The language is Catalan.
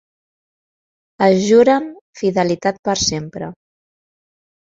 Es juren fidelitat per sempre.